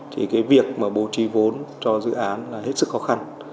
thì việc bố trí vốn cho dự án là hết sức khó khăn